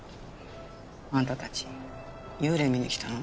あんたたち幽霊見に来たの？